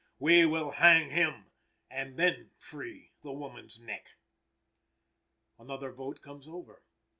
We will hang him and then free the woman's neck. Another vote comes over.